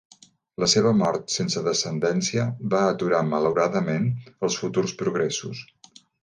La seva mort sense descendència va aturar malauradament els futurs progressos.